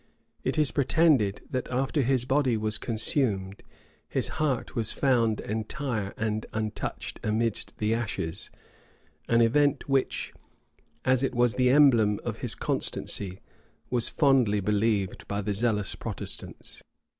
It is pretended, that after his body was consumed, his heart was found entire and untouched amidst the ashes; an event which, as it was the emblem of his constancy, was fondly believed by the zealous Protestants.